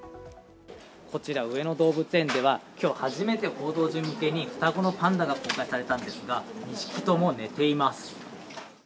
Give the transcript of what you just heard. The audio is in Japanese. こちら、上野動物園では今日初めて報道陣向けに双子のパンダが公開されたんですが２匹とも寝ています。